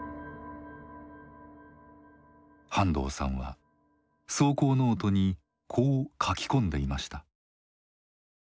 半藤さんは草稿ノートにこう書き込んでいました。